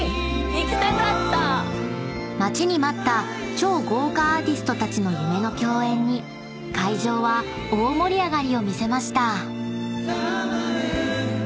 ［待ちに待った超豪華アーティストたちの夢の共演に会場は大盛り上がりを見せました］